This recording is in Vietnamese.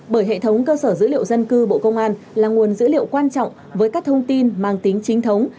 bởi hệ thống cơ sở dữ liệu dân cư bộ công an là nguồn dữ liệu quan trọng với các thông tin mang tính chính thống